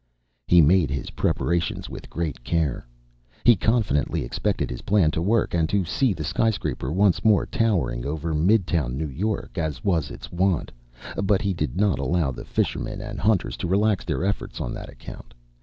He made his preparations with great care. He confidently expected his plan to work, and to see the sky scraper once more towering over mid town New York as was its wont, but he did not allow the fishermen and hunters to relax their efforts on that account.